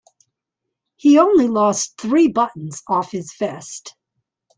He only lost three buttons off his vest.